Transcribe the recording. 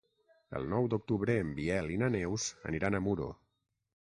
El nou d'octubre en Biel i na Neus aniran a Muro.